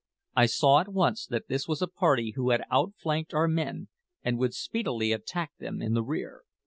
I saw at once that this was a party who had outflanked our men, and would speedily attack them in the rear.